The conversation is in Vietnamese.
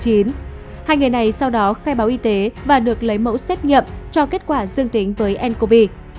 hai người này sau đó khai báo y tế và được lấy mẫu xét nghiệm cho kết quả dương tính với ncov